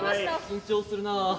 緊張するなあ。